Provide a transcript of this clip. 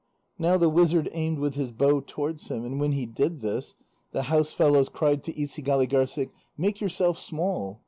Now the wizard aimed with his bow towards him, and when he did this, the house fellows cried to Isigâligârssik: "Make yourself small!"